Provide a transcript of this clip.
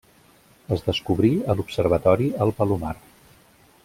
Es descobrí a l'observatori el Palomar.